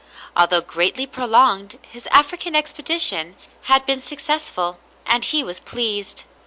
Although greatly prolonged, his African expedition had been successful, and he was pleased.